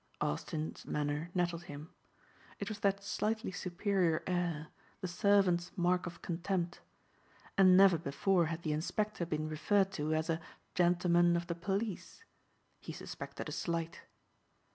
Austin's manner nettled him. It was that slightly superior air, the servants' mark of contempt. And never before had the inspector been referred to as "a gentleman of the police;" he suspected a slight.